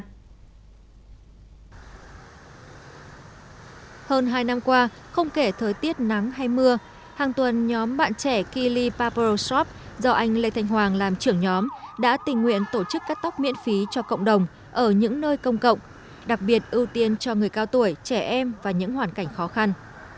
hơn hai năm qua không kể thời tiết nắng hay mưa hàng tuần nhóm bạn trẻ kili paper shop do anh lê thành hoàng làm trưởng nhóm đã tình nguyện tổ chức cắt tóc miễn phí cho cộng đồng ở những nơi công cộng đặc biệt ưu tiên cho người cao tuổi trẻ em và những hoàn cảnh khó khăn